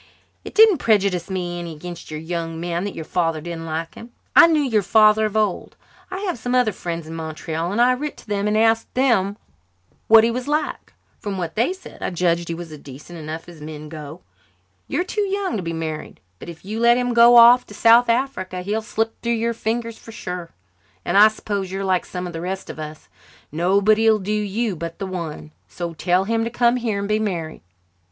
It didn't prejudice me any against your young man that your father didn't like him. I knew your father of old. I have some other friends in Montreal and I writ to them and asked them what he was like. From what they said I judged he was decent enough as men go. You're too young to be married, but if you let him go off to South Africa he'll slip through your fingers for sure, and I s'pose you're like some of the rest of us nobody'll do you but the one. So tell him to come here and be married."